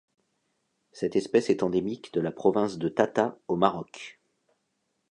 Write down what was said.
Cette espèce est endémique de la province de Tata au Maroc.